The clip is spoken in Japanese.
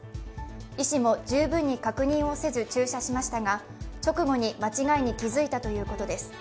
医師も十分に確認をせず注射しましたが、直後に間違いに気付いたということです。